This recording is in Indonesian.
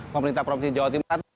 pemerintah provinsi jawa timur